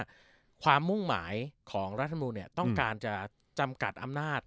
ความมุ่งหมายของรัฐมนุนต้องการจะจำกัดอำนาจ